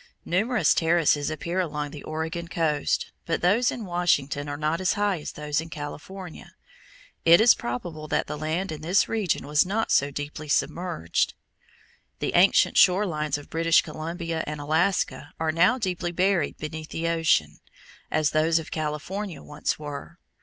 Numerous terraces appear along the Oregon coast, but those in Washington are not as high as those in California. It is probable that the land in this region was not so deeply submerged. The ancient shore lines of British Columbia and Alaska are now deeply buried beneath the ocean, as those of California once were.